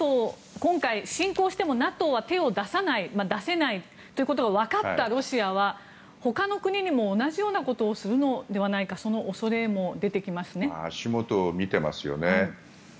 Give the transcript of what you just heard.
今回、侵攻してもＮＡＴＯは手を出さない出せないということがわかったロシアはほかの国にも同じようなことをするのではないか足元を見ていますよね。